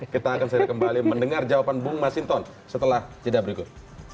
kita akan segera kembali mendengar jawaban bung masinton setelah jeda berikut